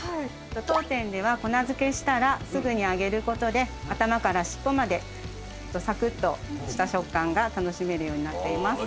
当店では粉付けしたらすぐに揚げることで頭から尻尾までサクッとした食感が楽しめるようになっています。